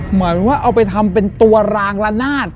เหมือนว่าเอาไปทำเป็นตัวรางละนาด